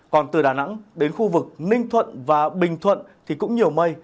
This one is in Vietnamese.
còn từ đà nẵng đến khu vực ninh thuận và bình thuận thì cũng nhiều mây